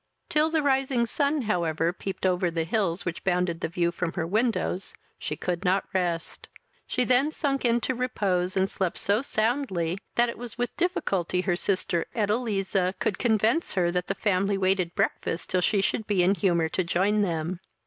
Till the rising sun, however, peeped over the hills which bounded the view from her windows, she could not rest; she then sunk into repose, and slept so soundly, that it was with difficulty her sister, Edeliza, could convince her that the family waited breakfast till she should be in the humour to join them.